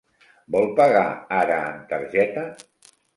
Vol pagar ara en targeta?